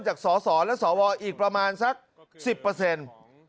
จากสสและสวอีกประมาณสัก๑๐เปอร์เซ็นต์